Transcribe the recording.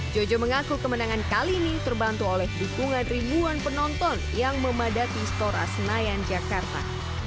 jojo mengaku kemenangan kali ini terbantu oleh dukungan ribuan penonton yang memadati stora senayan jakarta